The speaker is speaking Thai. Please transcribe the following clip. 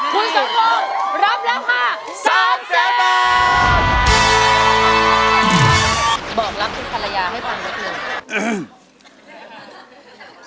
คุณทรงคงรับแล้วค่ะ